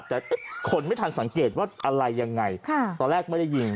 แต่คนไม่ทันสังเกตว่าอะไรยังไงตอนแรกไม่ได้ยิง